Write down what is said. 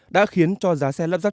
đã khiến cho giá xe lắp dắp